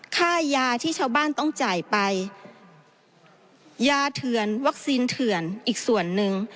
ค่ายาที่ชาวบ้านต้องจ่ายไปยาเถื่อนวัคซีนเถื่อนอีกส่วนหนึ่ง